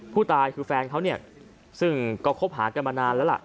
ผู้ตายคือแฟนเขาเนี่ยซึ่งก็คบหากันมานานแล้วล่ะ